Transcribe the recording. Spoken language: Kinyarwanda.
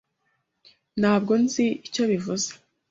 Ntabwo nzi icyo bivuze.